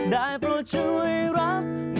ได้โปรดช่วยรัก